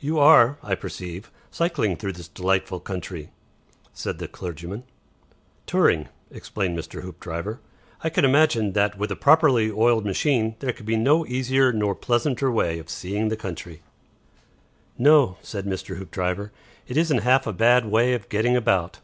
"You are, I perceive, cycling through this delightful country," said the clergyman. "Touring," explained Mr. Hoopdriver. "I can imagine that, with a properly oiled machine, there can be no easier nor pleasanter way of seeing the country." "No," said Mr. Hoopdriver; "it isn't half a bad way of getting about."